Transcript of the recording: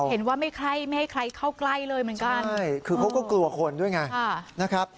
เห็นว่าไม่ใครไม่ให้ใครเข้าใกล้เลยเหมือนกันใช่คือเขาก็กลัวคนด้วยไงนะครับ